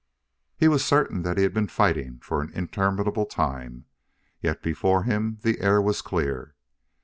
He was certain that he had been fighting for an interminable time, yet before him the air was clear.